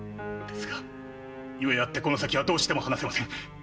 ですが故あってこの先はどうしても話せません。